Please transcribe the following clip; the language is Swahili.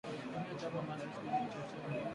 Tumia chapa mandashi Kijiko cha chai mbili